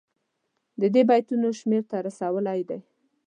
د دې ایتونو شمېر ته رسولی دی.